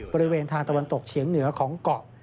บริเวณทางตะวันตกเฉียงเหนือของเกาะ